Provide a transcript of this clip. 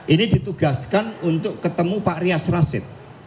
ini ditugaskan untuk ketemu pak rias rasid